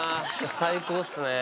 最高っすね。